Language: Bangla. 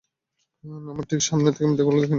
আমার ঠিক সামনে থাকা মিথ্যাগুলো দেখিনি আমি।